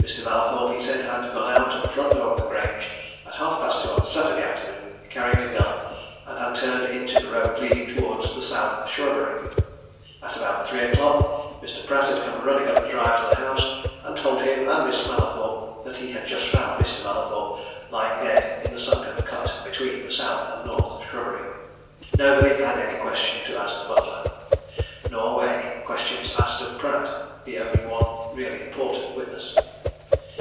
Mr. Mallathorpe, he said, had gone out of the front door of the Grange at half past two on Saturday afternoon, carrying a gun, and had turned into the road leading towards the South Shrubbery. At about three o'clock Mr. Pratt had come running up the drive to the house, and told him and Miss Mallathorpe that he had just found Mr. Mallathorpe lying dead in the sunken cut between the South and North Shrubbery. Nobody had any question to ask the butler. Nor were any questions asked of Pratt the one really important witness.